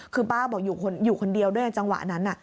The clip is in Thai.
คือป้าบอกอยู่คนเดียวด้วยจังหวะนั้น